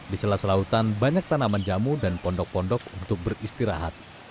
di sela selautan banyak tanaman jamu dan pondok pondok untuk beristirahat